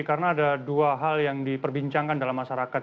karena ada dua hal yang diperbincangkan dalam masyarakat